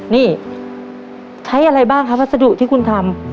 นี่ใช้อะไรบ้างครับวัสดุที่คุณทำ